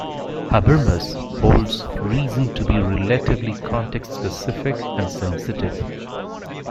Habermas holds reason to be relatively context specific and sensitive.